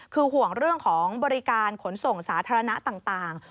คือห่วงเรื่องของบริการขนส่งสาธารณะต่าง